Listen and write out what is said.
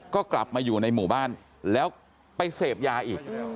ก็กลับมาอยู่ในหมู่บ้านแล้วไปเสพยาอีก